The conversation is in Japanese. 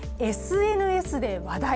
「ＳＮＳで話題！